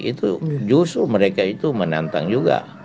itu justru mereka itu menantang juga